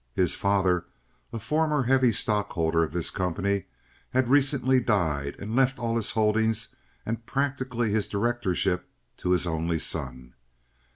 His father, a former heavy stockholder of this company, had recently died and left all his holdings and practically his directorship to his only son.